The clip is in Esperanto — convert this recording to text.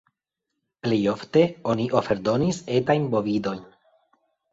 Plejofte oni oferdonis etajn bovidojn.